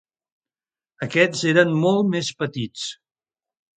Aquests eren molt més petits.